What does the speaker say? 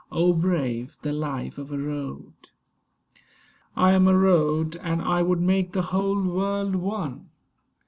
Oh, brave the life of a Road! I am a Road; and I would make the whole world one.